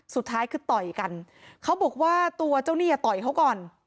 สุดท้ายคือต่อยกันเขาบอกว่าตัวเจ้าหนี้ต่อยเขาก่อน